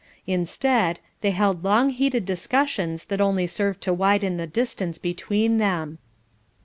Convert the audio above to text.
Instead, they held long heated discussions that only served to widen the distance between them.